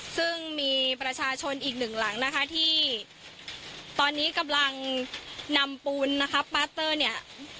ซึ่งมีประชาชนอีกหนึ่งหลังนะคะที่ตอนนี้กำลังนำปูนนะคะปาเตอร์เนี่ย